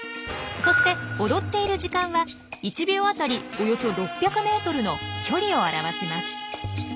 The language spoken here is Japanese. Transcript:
そして踊っている時間は１秒当たりおよそ６００メートルの距離を表します。